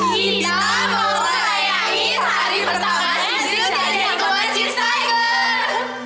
kita mau ngerayain hari pertama sisil jadi ketua cheers tiger